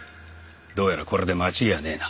どうやらこれで間違いはねえな。